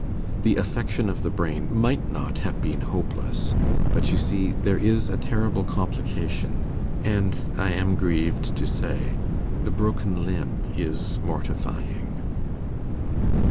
The affection of the brain might not have been hopeless, but, you see, there is a terrible complication; and, I am grieved to say, the broken limb is mortifying.